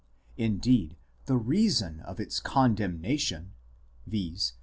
Indeed, the reason of its condemnation, viz.